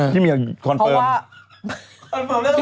ที่เหมียวคอนเฟิร์มอะไร